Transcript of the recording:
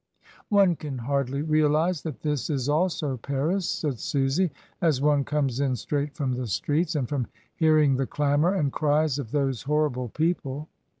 "One can hardly realise that this is also Paris," said Susy, "as one comes in straight from the streets, and from hearing the clamour and cries of those horrible people."